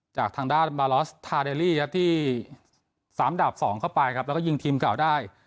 จากทางด้านบรรล็อสทาเดรี๓๒ก็ยิงทีมกล่าวได้